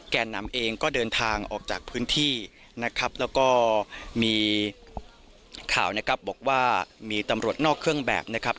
แก่นำเองก็เดินทางออกจากพื้นที่นะครับแล้วก็มีข่าวนะครับบอกว่ามีตำรวจนอกเครื่องแบบนะครับ